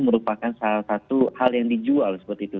merupakan salah satu hal yang dijual seperti itu